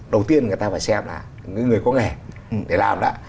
đầu tiên người ta phải xem là người có nghề để làm lại